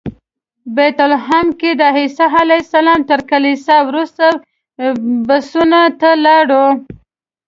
بیت لحم کې د عیسی علیه السلام تر کلیسا وروسته بسونو ته لاړو.